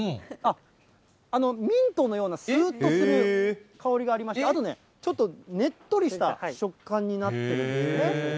あっ、ミントのようなすーっとする香りがありまして、あとね、ちょっとねっとりした食感になってるんですね。